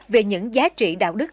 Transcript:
về những giá trị đạo đức